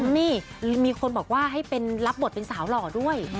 นี่มีคนบอกว่าให้เป็นรับบทเป็นสาวหล่อด้วย